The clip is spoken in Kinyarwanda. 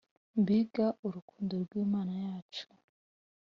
Mbega urukundo rwimana yacu